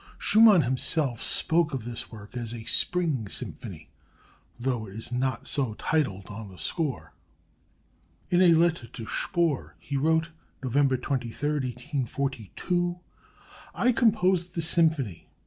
_") Schumann himself spoke of this work as "a Spring symphony," though it is not so titled on the score. In a letter to Spohr he wrote (November 23, 1842): "I composed the symphony